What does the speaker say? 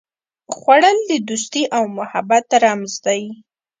خوړل د دوستي او محبت رمز دی